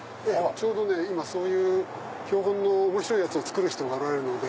ちょうど今標本の面白いやつを作る人がおられるので。